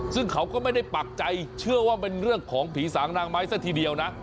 ซึ่งเขาก็ไม่ได้ปักใจเชื่อว่าเป็นเรื่องของผีสางนางไม้ซะทีเดียวนะ